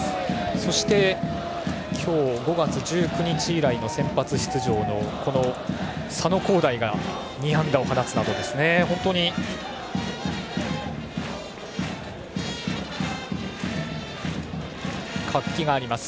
そして今日、５月１９日以来の先発出場の佐野皓大が２安打を放つなど本当に活気があります。